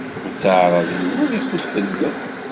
Itteɛṛaḍ Yuba ad d-iḥudd fell-i.